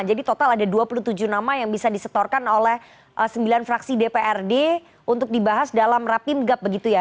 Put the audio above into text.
jadi total ada dua puluh tujuh nama yang bisa disetorkan oleh sembilan fraksi dprd untuk dibahas dalam rapi menggap begitu ya